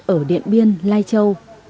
ở điện biên lai châu